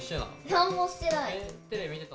なんもしてない。